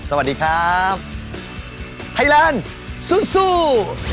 สวัสดีครับไทยแลนด์สู้สู้